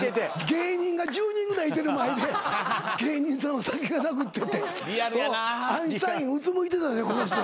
芸人が１０人ぐらいいてる前で「芸人さんは先がなくて」って。アインシュタインうつむいてたこうして。